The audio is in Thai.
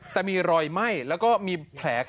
แต่มีรอยไหม้แล้วก็มีแผล